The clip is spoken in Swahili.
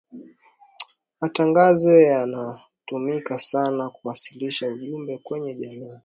matangazo yanatumika sana kuwasilisha ujumbe kwenye jamii